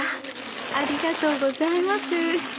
ありがとうございます。